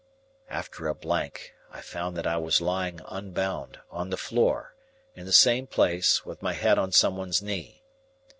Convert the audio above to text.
After a blank, I found that I was lying unbound, on the floor, in the same place, with my head on some one's knee.